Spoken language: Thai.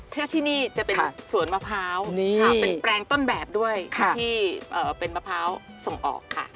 เชือกที่นี่จะเป็นสวนมะพร้าวเป็นแปลงต้นแบบด้วยที่เป็นมะพร้าวส่งออกค่ะ